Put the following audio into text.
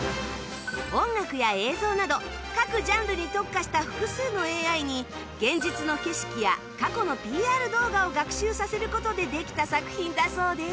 音楽や映像など各ジャンルに特化した複数の ＡＩ に現実の景色や過去の ＰＲ 動画を学習させる事でできた作品だそうです